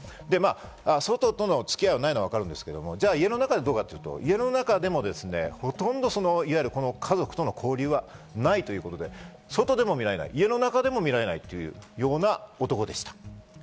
外とのつき合いがないのは分かるんですけど家の中でどうかというと、家の中でもほとんど家族との交流はないということで、外でも見られない、家の中でも見られないような男でした。